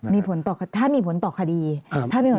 ถ้ามีผลต่อคดีถ้าเป็นคนต่อคดีเหนื่อยแล้ว